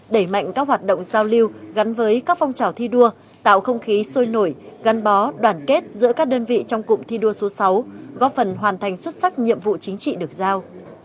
đẩy mạnh các hoạt động giao lưu gắn với các phong trào thi đua tạo không khí sôi nổi gắn bó đoàn kết giữa các đơn vị trong cụm thi đua số sáu góp phần hoàn thành xuất sắc nhiệm vụ chính trị được giao